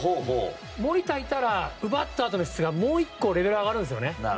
守田がいたら奪ったあとですがもう１個レベルが上がるんですよね。